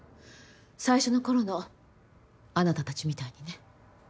最初のころのあなたたちみたいにね。